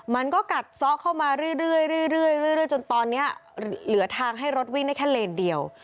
มันก็กัดซ้อเข้ามาเรื่อยจนตอนนี้เหลือทางให้รถวิ่งได้แค่เลนเดียว